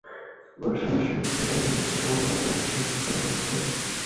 এ বাসার স্যাৎসেঁতে মেজে ও অন্ধকারে সর্বজয়ার মাথা ধরে।